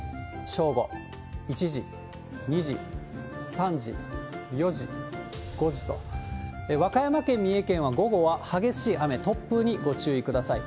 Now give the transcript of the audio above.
正午、１時、２時、３時、４時、５時と、和歌山県、三重県は午後は激しい雨、突風にご注意ください。